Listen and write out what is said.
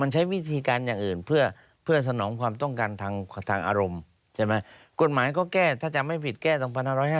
ใช่ไหมกฎหมายก็แก้ถ้าจำไม่ผิดแก้ตรง๑๕๕๑